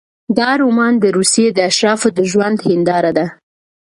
دا رومان د روسیې د اشرافو د ژوند هینداره ده.